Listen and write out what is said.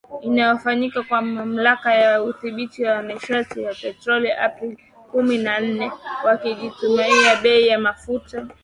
inayofanywa na Mamlaka ya Udhibiti wa Nishati na Petroli Aprili kumi na nne wakitumaini bei ya mafuta kuwa juu zaidi